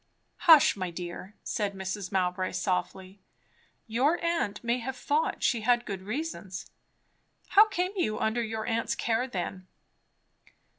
"Hush, my dear," said Mrs. Mowbray softly. "Your aunt may have thought she had good reasons. How came you under your aunt's care then?"